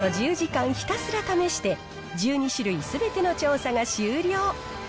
これ、こうして、およそ１０時間ひたすら試して、１２種類すべての調査が終了。